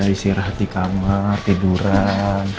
istirahat dikamar tiduran